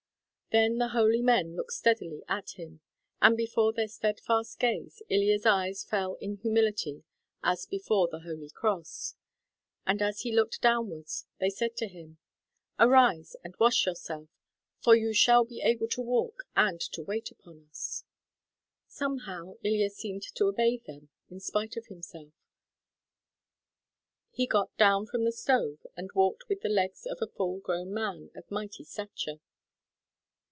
Then the holy men looked steadily at him, and before their steadfast gaze Ilya's eyes fell in humility as before the Holy Cross; and as he looked downwards they said to him, "Arise and wash yourself, for you shall be able to walk and to wait upon us." Somehow, Ilya seemed to obey them in spite of himself. He got down from the stove and walked with the legs of a full grown man of mighty stature.